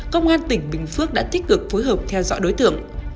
công an tỉnh bình phước đã tích cực phối hợp theo dõi đối tượng